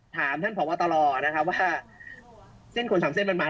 แล้วถ้าแต่มันมีอยู่แล้วนับตั้งแต่วันนั้น